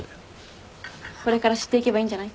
これから知っていけばいいんじゃない？